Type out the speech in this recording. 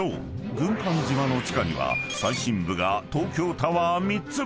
軍艦島の地下には最深部が東京タワー３つ分］